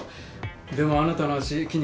でもあなたの足筋肉